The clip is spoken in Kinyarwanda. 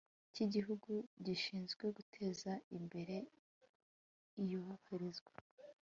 cy Igihugu gishinzwe guteza imbere iyoherezwa